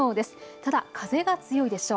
ただ風が強いでしょう。